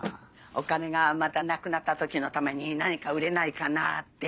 お金がまたなくなった時のために何か売れないかなって。